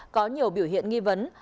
có nhiều biểu hiện nghi vấn